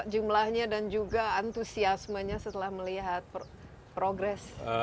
jumlahnya dan juga antusiasmenya setelah melihat progres